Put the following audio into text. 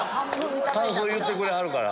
感想言ってくれはるから。